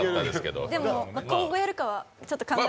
でも今後やるかはちょっと考えて。